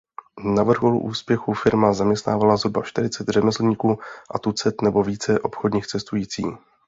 Na vrcholu úspěchu firma zaměstnávala zhruba čtyřicet řemeslníků a tucet nebo více obchodních cestující.